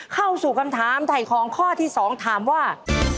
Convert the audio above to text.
เข้าสู่คำถามถ่ายของข้อที่๒ถามว่า